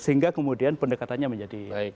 sehingga kemudian pendekatannya menjadi